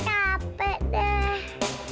ah capek deh